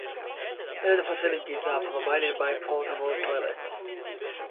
Toilet facilities are provided by portable toilets.